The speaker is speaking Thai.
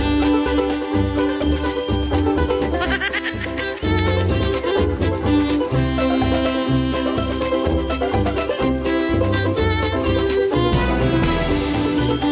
เฮ้ยเย็นไทยรัฐรออยู่แล้วต้องลาไปแล้วนะครับสวัสดีครับ